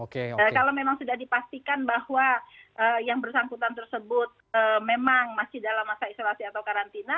kalau memang sudah dipastikan bahwa yang bersangkutan tersebut memang masih dalam masa isolasi atau karantina